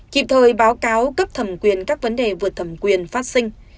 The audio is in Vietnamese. kịp thời báo cáo cấp thẩm quyền các vấn đề vượt thẩm quyền phát sinh